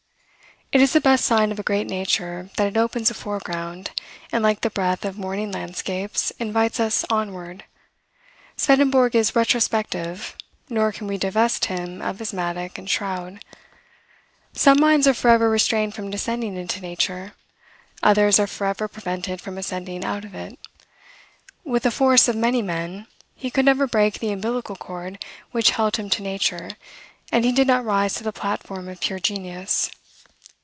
It is the best sign of a great nature, that it opens a foreground, and, like the breath of morning landscapes, invites us onward. Swedenborg is retrospective, nor can we divest him of his mattock and shroud. Some minds are forever restrained from descending into nature; others are forever prevented from ascending out of it. With a force of many men, he could never break the umbilical cord which held him to nature, and he did not rise to the platform of pure genius.